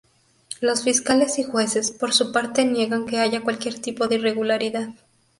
Los fiscales y jueces, por su parte niegan que haya cualquier tipo de irregularidad.